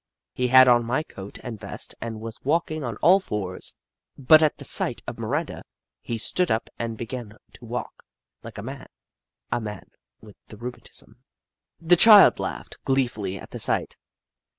He had on my coat and vest and was walking on all fours, but at the sight of Mi randa, he stood up and began to walk like a man — a man with the rheumatism. The child laughed gleefully at the sight.